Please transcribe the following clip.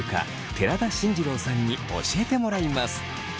寺田真二郎さんに教えてもらいます。